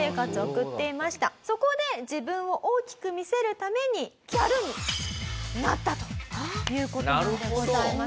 そこで自分を大きく見せるためにギャルになったという事なんでございます。